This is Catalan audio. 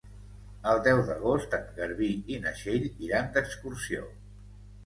El deu d'agost en Garbí i na Txell iran d'excursió.